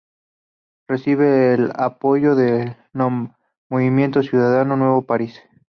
Recibió el apoyo del Movimiento Ciudadanos Nuevo País.